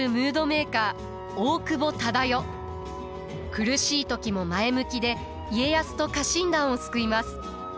苦しい時も前向きで家康と家臣団を救います。